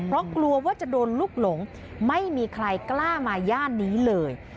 เพราะกลัวว่าจะโดนลูกหลงไม่มีใครกล้ามาย่านนี้เลย